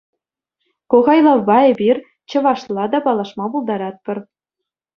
Ку хайлавпа эпир чӑвашла та паллашма пултаратпӑр.